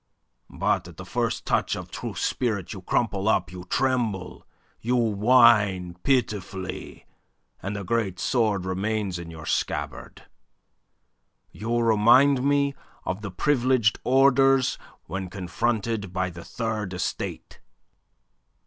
But at the first touch of true spirit you crumple up, you tremble, you whine pitifully, and the great sword remains in your scabbard. You remind me of the Privileged Orders when confronted by the Third Estate."